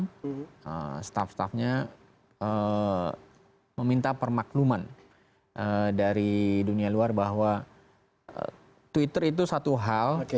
banyak orang yang membantu presiden trump staff staffnya meminta permakluman dari dunia luar bahwa twitter itu satu hal